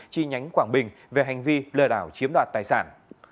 chi nhánh quảng bình về hành vi lừa đảo chiếm đoạt tài sản